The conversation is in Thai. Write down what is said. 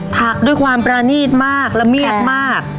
ผักด้วยความประนีตมากและเมียดมาก